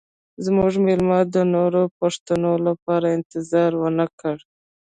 زموږ میلمه د نورو پوښتنو لپاره انتظار ونه کړ